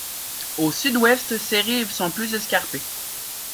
Au sud-ouest, ses rives sont plus escarpées.